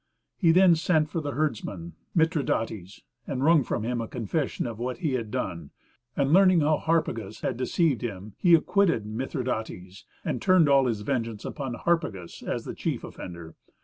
He then sent for the herdsman Mitridates and wrung from him a confession of what he had done; and learning how Harpagus had deceived him he acquitted Mitridates, and turned all his vengeance upon Harpagus as the chief offender.